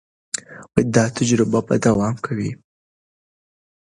دا تجربه دوام کوي.